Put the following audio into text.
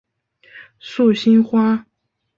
素兴花